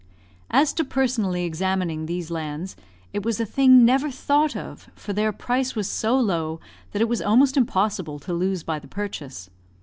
As to personally examining these lands, it was a thing never thought of, for their price was so low that it was almost impossible to lose by the purchase.